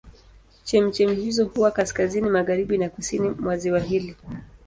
Chemchemi hizo huwa kaskazini magharibi na kusini mwa ziwa hili.